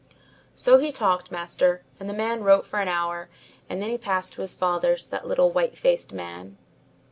"So he talked, master, and the man wrote for an hour, and then he passed to his fathers, that little white faced man."